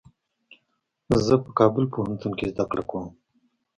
زه په کابل پوهنتون کي زده کړه کوم.